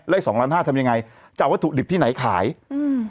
สองล้านห้าทำยังไงจะเอาวัตถุดิบที่ไหนขายอืม